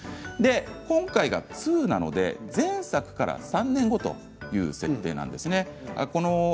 今回が２なので前作から３年後という設定です。